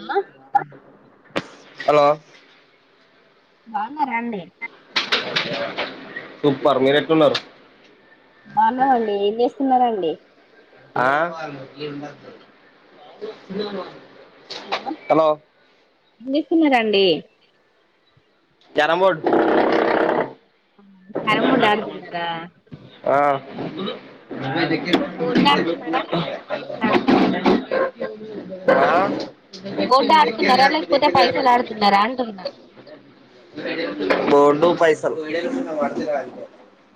ఆ హలో బాగున్నారా అండి సూపర్ మీరు ఎట్లున్నారు బాగున్నానండీ ఏం చేస్తున్నారండీ ఆ హలో ఏం చేస్తున్నారండి క్యారం బోర్డ్ క్యారం బోర్డు ఆడుతున్నారా ఆ బోర్డు ఆడుతున్నారా లేకపోతే పైసలు ఆడుతున్నారా [unintelligible] బోర్డు ఆడుతున్నారా లేకపోతే పైసలు ఆడుతున్నారా అంటున్నా ఫోర్ టు ఫైవ్ సప్పిల్స్ [unintelligible]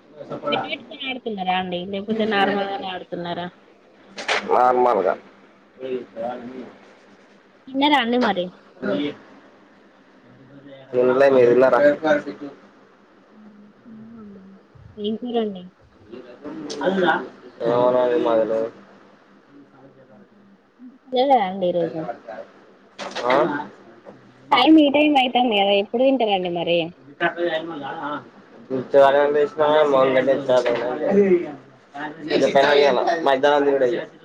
బెట్టు పెట్టుకొని ఆడుతున్నారా అండి లేకపోతే నార్మల్ గానే ఆడుతున్నారా నార్మల్ గా తిన్నారా అండి మరి ఎన్లే మీరున్నరా [unintelligible] ఏం కూరండి ఏమో అన్న మక్తేల్వదు [unintelligible] ఉన్న [unintelligible] ఆ టైం ఈ టైం అవుతుంది కదా ఎప్పుడు తింటారండి మరి బార మ [unintelligible] ఇగ మధ్యాహ్నం తింటా ఇగ [unintelligible]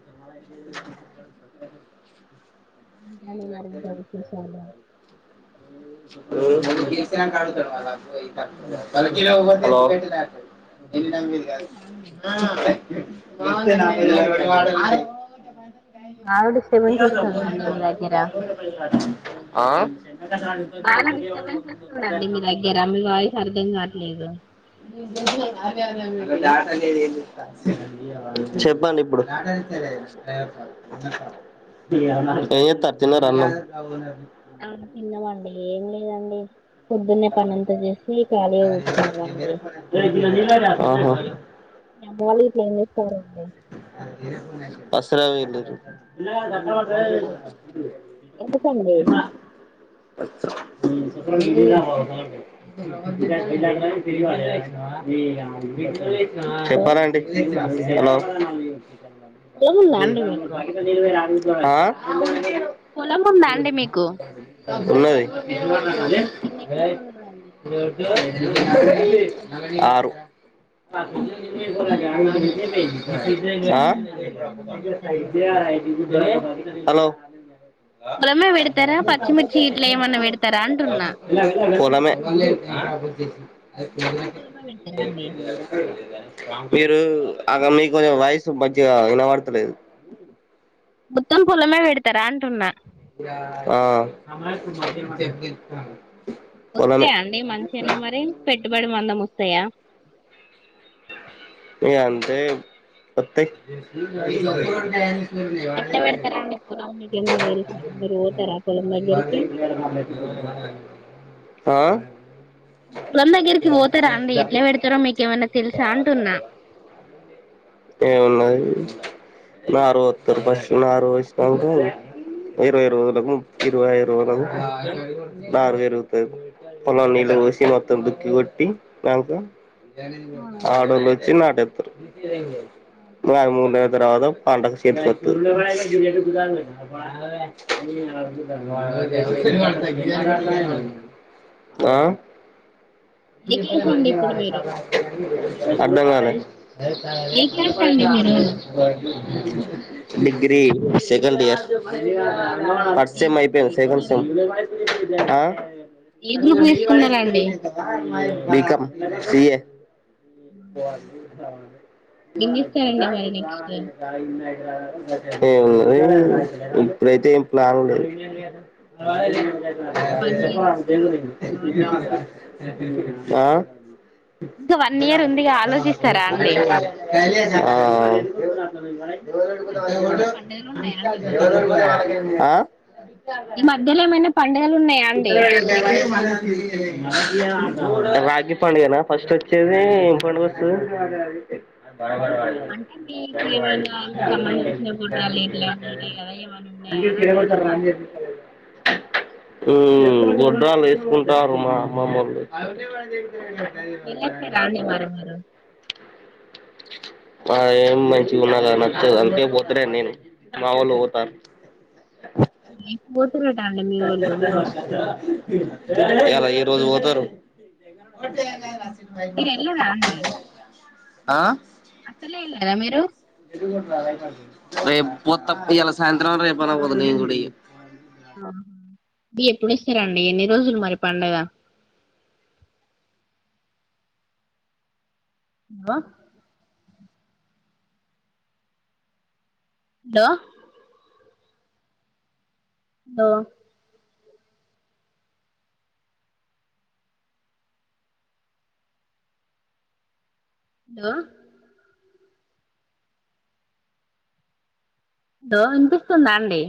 ఏ వ ఇంకానే మరి ఇంకా విశేషాలు [unintelligible] హలో ఎ కా [unintelligible] బాగా డిస్టర్బెన్స్ వస్తుందండి మీ దగ్గర ఆ బాగా డిస్టర్బెన్స్ వస్తుందిండి మీ దగ్గర మీ వాయిస్ అర్థం కావట్లేదు ఉం చెప్పండి ఇప్పుడు ఏమి చెత్తనారు తిన్నారా ఆ తిన్నామండి ఏం లేదండి పొద్దున్నే పని అంత చేసి ఖాళీగా కూర్చున్నామండి ఆహా మీ అమ్మ వాళ్లింట్లో ఎం చేస్తారు అండి [unintelligible] ఆసనం ఏంటో చెప్పు [unintelligible] ఎత కండి నీ ఆ మా [unintelligible] హలో చెప్పాలాండి హలో పొలం ఉందా అండి మీకు ఆ పొలం ఉందా అండి మీకు ఉన్నది ఎన్ని ఎకరాలు ఉన్నదండి ఆరు ఆ హలో [unintelligible] ఉమమె వెడుతార పచ్చిమిిచి ఇట్లా ఏమన్నన్నా వెడుతార పొలమే ద మొత్తం పొలమే పెడతారా అండి మీరు అక మీకు కొంచెం వాయిస్ మంచిగా వినబడతలేదు మొత్తం పొలము పెడతారా అంటున్నా ఆ పొలమే వస్తాయా అండి మంచిగానే మరి పెట్టుబడి మందం వస్తాయా ఇగ అంతే వత్తయ్ ఎట్లా పెడతారండి పొలం మీకేమైనా తెలుసా మీరు పోతారా పొలం దగ్గరికి అ ఆ పొలం దగ్గరికి పోతారా అండి ఎట్లా పెడుతారో మీకేమన్నా తెలుసా అంటున్నా ఏమున్నది నారు పోత్తరు ఫస్ట్ నారు పోసినంకా ఇరవై రోజులకు ఇరవై ఐదు రోజులకు నారు పెరుగుతది పొలం నీళ్ళు పోసి మొత్తం దుక్కి కొట్టి నంకా ఆ ఆడోళ్ళు వొచ్చి నాటేతారు ఆ మూడు నెల్ల తర్వాత పంట సేతికొత్తది ఎంతవరకు చదువుకున్నారండి మీరు ఆ ఏ ఇ ప క్లాస్ అండి ఇప్పుడు వ మీరు అర్దం కాలే ఏ క్లాస్ అండి మీరు డిగ్రీ సెకండ్ ఇయర్ ఫస్ట్ ఏ సెమ్ గ్రూప్ అయిపోయింది సెకండ్ సెమ్ తీసుకున్నారండి ఆ ఏ గ్రూప్ నను నయ అనేేస్త తీసుకున్నారండి వి [unintelligible] బీకామ్ సీఎ ఎన్ని ఇస్తారండి ఇతా మరి నెక్స్ట్ రా ఏందో ఏమో ఇప్పుడైతే ఏం ప్లాన్ లేదు ఆ ఇంకా వన్ ఇయర్ ఉంది ఆలోచిస్తారా వన్ ఇయర్ లో ఇంకా వన్ ఇయర్ ఉందిగా ఆలోచిస్తారా అండి ఈ ఆ ఆఆ మధ్యలో ఏమైనా పండుగలు ఉన్నాయా అండి మరి మీకు ఆ ఈ మధ్యలో ఏమైనా పండుగలు ఉన్నాయా ఇ అండి రాఖి పండగనా ఫస్ట్ వచ్చేది ఏం పండుగ వ స్తాది అంటే మీకు ఏమైనా సంబంధించిన గుడ్రాలు లేట్లా ఉంటాయి కదా అేడ సార్ అవు ఉమ్మ్ గొడ్రాళ్ళు ఎసుకుంటారు మా అమ్మమ్మోల్లు ండి వెళ్ళొచ్చారా అండి మరి మీరు అదేం మంచిగా ఉన్నదా నచ్చదు అందుకే పోతలేే నేను మా వొళ్ళు పోతారు ఎ పోతురటా అండి మీ వొళ్ళు ఇయ్యాల ఈరోజు పోతారు మీరు వెళ్ళరా ఆ అసలు ఎయలేదా మీరు రేపు పోత్త ఇయాలా సాయంత్రం రేపు అన్న పోతా నేను కూడా ఇగ ఆహా ఎప్పుడు వస్తారండి ఎన్ని రోజులు మరి పండగ ఇంగా హలో హలో హలో హలో వినిపిస్తుందాండి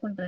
కుంటండి